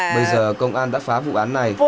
bây giờ công an đã phá vụ án này